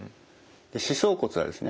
歯槽骨はですね